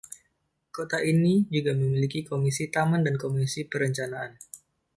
Kota ini juga memiliki komisi taman dan komisi perencanaan.